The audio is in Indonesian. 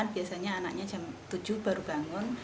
biasanya anaknya jam tujuh baru bangun